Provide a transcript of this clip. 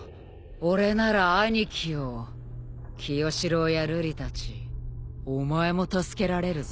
・俺なら兄貴を清司郎や瑠璃たちお前も助けられるぜ？